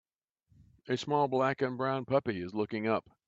A small black and brown puppy is looking up